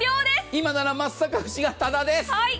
今なら松阪牛がタダです。